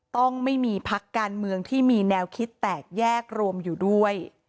ต้องไม่มีพักการเมืองที่มีแนวคิดแตกแยกรวมอยู่ด้วย